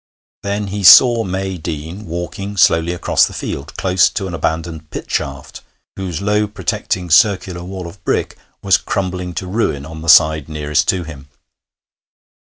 Then he saw May Deane walking slowly across the field, close to an abandoned pit shaft, whose low protecting circular wall of brick was crumbling to ruin on the side nearest to him.